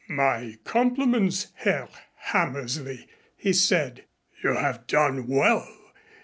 "My compliments, Herr Hammersley," he said. "You have done well.